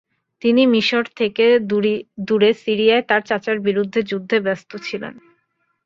তিনি মিশর থেকে দূরে সিরিয়ায় তাঁর চাচার বিরুদ্ধে যুদ্ধে ব্যস্ত ছিলেন।